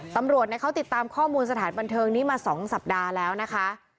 ตำรวจเขาติดตามข้อมูลสถานบันเทิงนี้มา๒สัปดาห์แล้วนะคะ